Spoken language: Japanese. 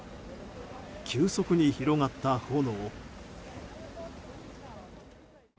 急速に広がった炎。